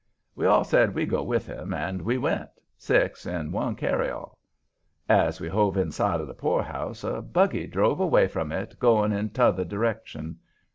We all said we'd go with him, and we went, six in one carryall. As we hove in sight of the poorhouse a buggy drove away from it, going in t'other direction.